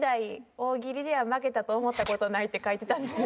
大喜利では負けたと思った事ないって書いてたんですよ。